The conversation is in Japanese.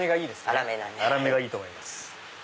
粗めがいいと思います。